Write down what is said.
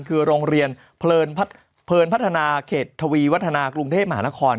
คือโรงเรียนเพลินพัฒนาเขตทวีวัฒนากรุงเทพมหานคร